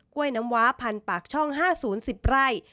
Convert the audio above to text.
กล้วยน้ำว้าพันธุ์ปากช่อง๕ศูนย์๑๐ไร่